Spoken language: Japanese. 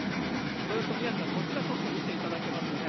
それと宮根さん、こちらちょっと見ていただけますかね。